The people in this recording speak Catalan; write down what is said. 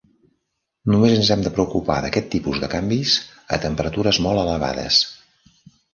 Només ens hem de preocupar d'aquests tipus de canvis a temperatures molt elevades.